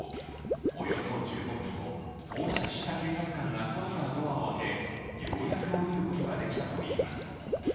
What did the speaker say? およそ１５分後、到着した警察官が外からドアを開け、ようやく降りることができたといいます。